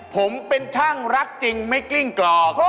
ผมเป็นช่างรักจริงไม่กลิ้งกรอก